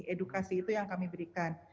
edukasi itu yang kami berikan